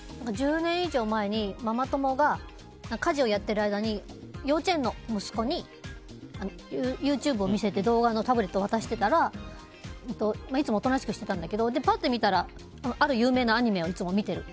１０年以上前にママ友が家事をやっている間に幼稚園の息子にＹｏｕＴｕｂｅを見せて動画のタブレットを渡していたらいつもおとなしくしてたんだけどパッと見たらある有名なアニメをいつも見ている。